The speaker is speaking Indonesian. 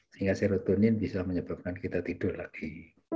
sehingga serotunin bisa menyebabkan kita tidur lagi